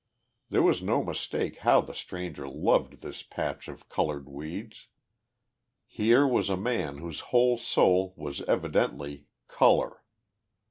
There was no mistake how the stranger loved this patch of coloured weeds. Here was a man whose whole soul was evidently colour.